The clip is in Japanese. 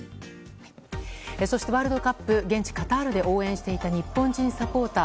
そして、ワールドカップ現地カタールで応援していた日本人サポーター。